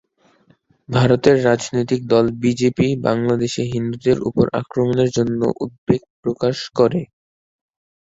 ভারতের রাজনৈতিক দল বিজেপি, বাংলাদেশে হিন্দুদের উপর আক্রমণের জন্য উদ্বেগ প্রকাশ করে।